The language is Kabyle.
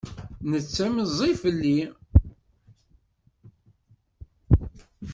Netta i meẓẓi fell-i.